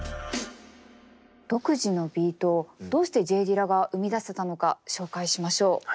独自のビートをどうしてＪ・ディラが生み出せたのか紹介しましょう。